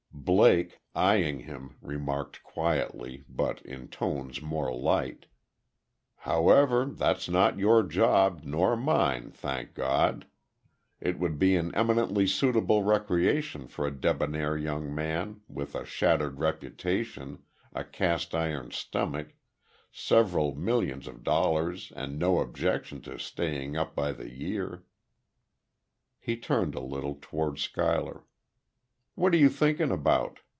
Blake, eyeing him, remarked quietly, but in tones more light: "However, that's not your job, nor mine, thank God. It would be an eminently suitable recreation for a debonair young man with a shattered reputation, a cast iron stomach, several millions of dollars and no objections to staying up by the year." He turned a little, toward Schuyler. "What are you thinking about?"